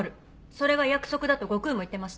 それが約束だと悟空も言ってました。